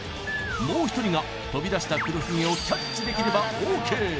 もう１人が飛び出した黒ひげをキャッチできればＯＫ